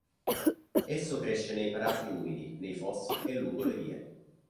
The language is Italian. Esso cresce nei prati umidi, nei fossi e lungo le vie.